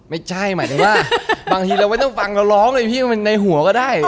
ไม่ใช่หมายถึงว่าบางทีเราไม่ต้องฟังเราร้องเลยพี่ว่ามันในหัวก็ได้